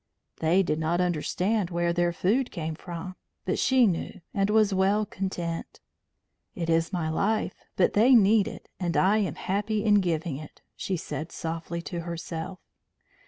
They did not understand where their food came from, but she knew and was well content. "It is my life, but they need it, and I am happy in giving it," she said softly to herself.